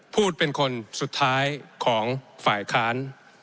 พูดเป็นคนสุดท้ายของฝ่ายค้าน